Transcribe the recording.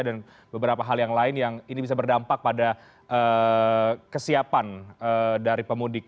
dan beberapa hal yang lain yang ini bisa berdampak pada kesiapan dari pemudik